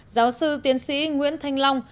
giáo sư tiến sĩ nguyễn thanh long